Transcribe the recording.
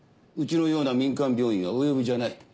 うちのような民間病院はお呼びじゃない。